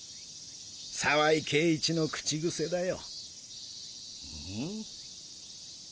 澤井圭一の口癖だよ。